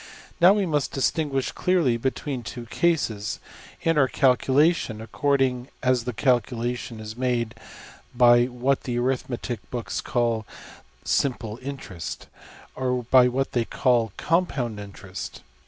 Now we must distinguish clearly between two cases, in our calculation, according as the calculation is made by what the arithmetic books call ``simple interest,'' or by what they call ``compound interest.''